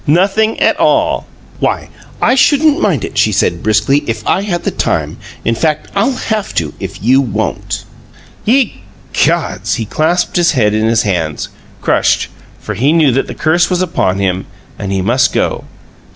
Nothing at all!" "Why, I shouldn't mind it," she said; briskly, "if I had the time. In fact, I'll have to, if you won't." "Ye gods!" He clasped his head in his hands, crushed, for he knew that the curse was upon him and he must go.